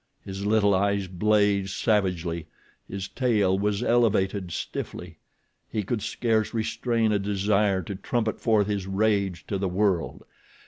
His little eyes blazed savagely. His tail was elevated stiffly. He could scarce restrain a desire to trumpet forth his rage to the world.